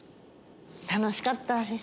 楽しかったです